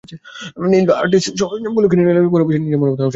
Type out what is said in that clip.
Nail আর্টের সরঞ্জামগুলো কিনে নিলে ঘরে বসেই নিজের মনমতো নকশা করতে পারবেন।